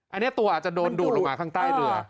อันนี้ตัวอาจจะโดนดูดลงมาข้างใต้เรือ